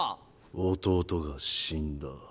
弟が死んだ。